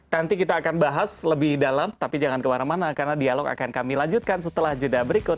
nanti kita akan bahas lebih dalam tapi jangan kemana mana karena dialog akan kami lanjutkan setelah jeda berikut